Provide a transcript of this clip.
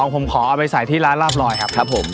ผมขอเอาไปใส่ที่ร้านลาบลอยครับครับผม